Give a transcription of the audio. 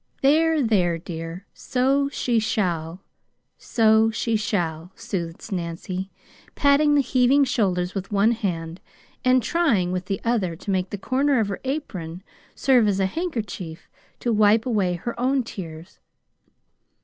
"There, there, dear; so she shall, so she shall," soothed Nancy, patting the heaving shoulders with one hand, and trying, with the other, to make the corner of her apron serve as a handkerchief to wipe her own tears away.